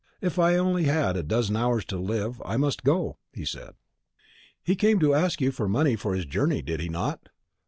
'If I had only a dozen hours to live, I must go,' he said." "He came to ask you for money for his journey, did he not?"